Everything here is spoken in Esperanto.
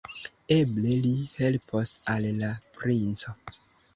Eble, li helpos al la princo!